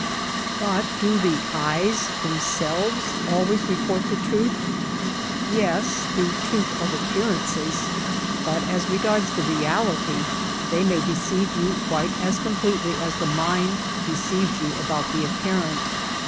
But do the eyes themselves always report the truth ? Yes ; the truth of appearances, but as regards the reality they may deceive you quite as completely as the mind deceives you about the apparent.